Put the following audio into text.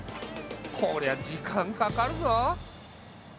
こりゃ時間かかるぞ。